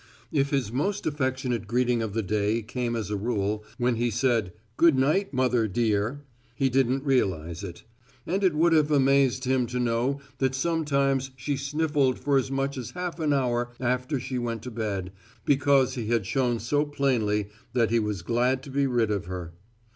If his most affectionate greeting of the day came as a rule when he said "Good night, mother dear," he didn't realize it; and it would have amazed him to know that sometimes she sniffled for as much as half an hour after she went to bed, because he had shown so plainly that he was glad to be rid of her.